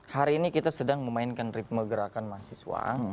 hari ini kita sedang memainkan ritme gerakan mahasiswa